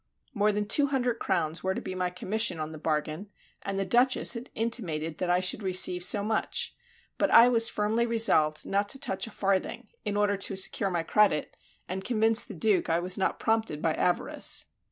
More than two hundred crowns were to be my commission on the bargain, and the Duchess had intimated that I should receive so much; but I was firmly resolved not to touch a farthing, in order to secure my credit, and convince the Duke I was not prompted by avarice.